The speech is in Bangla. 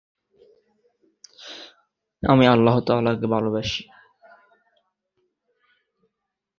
মহারাষ্ট্রের নাগপুরে এ স্টেডিয়ামটির অবস্থান।